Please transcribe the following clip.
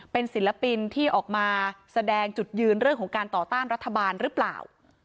เป็นศิลปินที่ออกมาแสดงจุดยืนเรื่องของการต่อต้านรัฐบาลหรือเปล่า